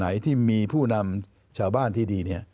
หรือที่มีผู้นำชาวบ้านที่ดีเนี่ย